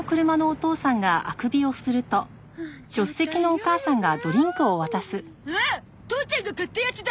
父ちゃんが買ったやつだ！